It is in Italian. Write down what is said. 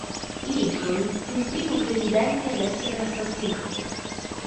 Lincoln fu il primo presidente ad essere assassinato.